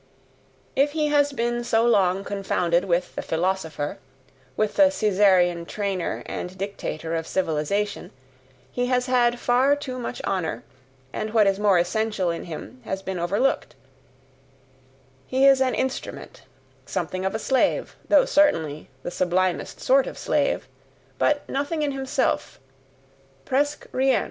If he has been so long confounded with the PHILOSOPHER, with the Caesarian trainer and dictator of civilization, he has had far too much honour, and what is more essential in him has been overlooked he is an instrument, something of a slave, though certainly the sublimest sort of slave, but nothing in himself PRESQUE RIEN!